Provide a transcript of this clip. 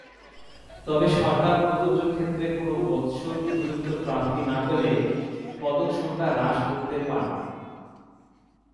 তবে সরকার প্রযোজ্য ক্ষেত্রে কোন বৎসর উপযুক্ত প্রার্থী না পেলে পদক সংখ্যা হ্রাস করতে পারবে।